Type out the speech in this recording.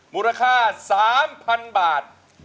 มูลค่า๓๐๐๐บาท